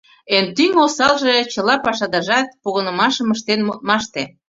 Эн тӱҥ осалже — чыла пашадажат погынымашым ыштен модмаште.